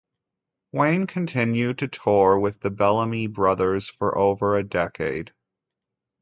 Wayne continued to tour with the Bellamy Brothers for over a decade.